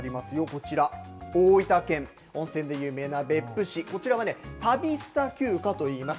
こちら、大分県、温泉で有名な別府市、こちらは、たびスタ休暇と言います。